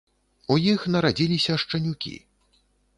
У іх нарадзіліся шчанюкі.